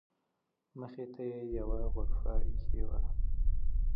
مخې ته یې یوه غرفه ایښې وه.